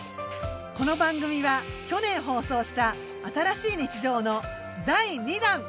この番組は去年放送した「＃新しい日常」の第２弾。